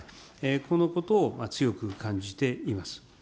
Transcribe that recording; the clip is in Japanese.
このことを強く感じています。